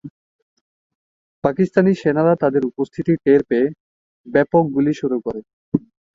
পাকিস্তানি সেনারা তাঁদের উপস্থিতি টের পেয়ে ব্যাপক গুলি শুরু করে।